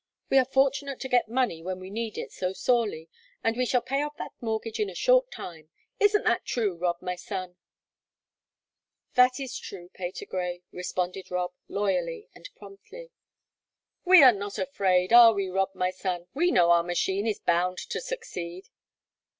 We are fortunate to get money when we need it so sorely, and we shall pay off that mortgage in a short time; isn't that true, Rob, my son?" "That is true, Patergrey," responded Rob, loyally and promptly. "We're not afraid, are we, Rob, my son? We know our machine is bound to succeed."